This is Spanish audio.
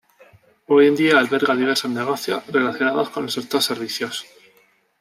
Hoy en día alberga diversos negocios relacionados con el sector servicios.